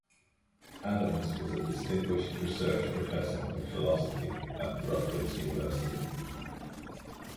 Adams was Distinguished Research Professor of Philosophy at Rutgers University.